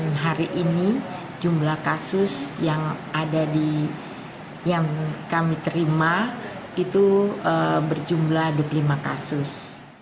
dengan hari ini jumlah kasus yang ada di yang kami terima itu berjumlah dua puluh lima kasus